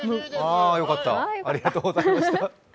よかった、ありがとうございました。